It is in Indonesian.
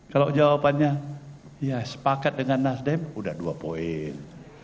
kalau jawabannya ya sepakat dengan nasdem udah dua poin